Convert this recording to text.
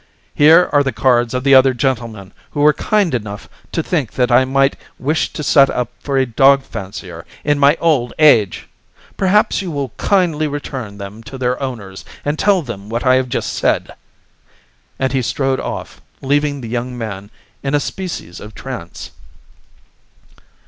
Here are the cards of the other gentlemen who were kind enough to think that I might wish to set up for a dog fancier in my old age. Perhaps you will kindly return them to their owners, and tell them what I have just said." And he strode off, leaving the young man in a species of trance.